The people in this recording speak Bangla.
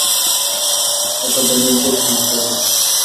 ওটা বেনেটদের ভুট্টাক্ষেত।